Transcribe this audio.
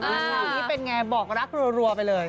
คราวนี้เป็นไงบอกรักรัวไปเลย